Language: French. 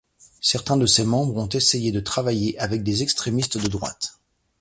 Certains de ses membres ont essayé de travailler avec des extrémistes de droite.